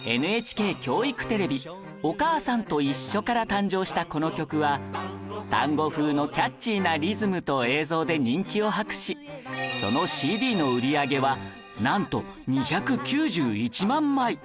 ＮＨＫ 教育テレビ『おかあさんといっしょ』から誕生したこの曲はタンゴ風のキャッチーなリズムと映像で人気を博しその ＣＤ の売り上げはなんと２９１万枚